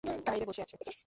বাহিরে বসে আছে।